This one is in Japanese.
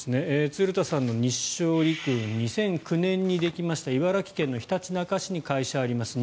鶴田さんの日章陸運２００９年にできました茨城県ひたちなか市に会社があります